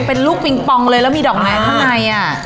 เป็นลูกปิงปองเลยแล้วมีดอกไม้ข้างในอ่ะ